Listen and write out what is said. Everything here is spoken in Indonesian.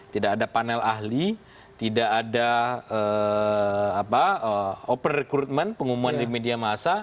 tidak ada panel ahli tidak ada open recruitment pengumuman di media masa